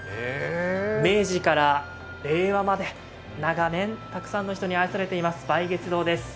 明治から令和まで長年、たくさんの人に愛されています、梅月堂です。